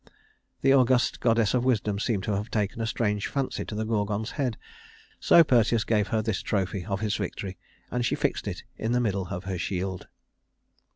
The august goddess of wisdom seemed to have taken a strange fancy to the Gorgon's head, so Perseus gave her this trophy of his victory, and she fixed it in the middle of her shield.